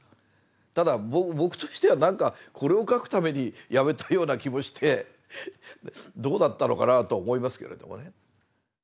ただ僕としてはなんかこれを書くために辞めたような気もしてどうだったのかなとは思いますけれどもね。